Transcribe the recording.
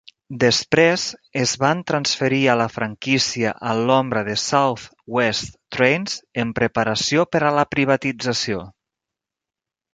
Després es van transferir a la franquícia a l'ombra de South West Trains en preparació per a la privatització.